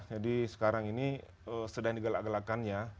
jadi sekarang ini sedang digelak gelakkan ya